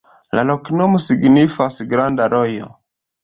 La loknomo signifas: granda rojo.